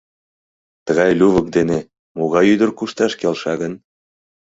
Тыгай лювык дене могай ӱдыр кушташ келша гын?